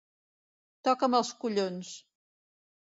Toca'm els collons!